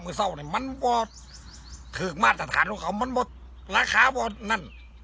มือเศร้าเนี่ยมันว่าถือกมาตรฐานของเขามันหมดราคาว่านั่น